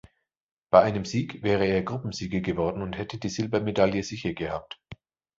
Bei einem Sieg wäre er Gruppensieger geworden und hätte die Silbermedaille sicher gehabt.